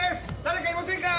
誰かいませんか？